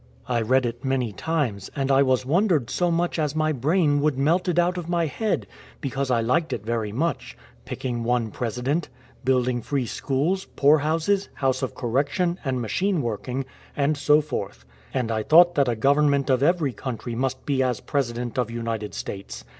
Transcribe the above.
I read it many times, and I was wondered so much as my brain would melted out of my head, because I liked it very much — picking one President, building free schools, poor houses, house of correction, and machine working, and so forth, and I thought that a government of every country must be as President of United States.